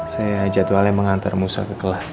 saya jadwalnya mengantar musa ke kelas